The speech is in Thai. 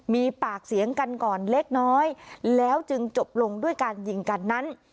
มีปากเสียงกันก่อนเล็กน้อยแล้วจึงจบลงด้วยการยิงกันนั้น